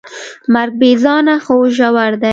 مرګ بېځانه خو ژور دی.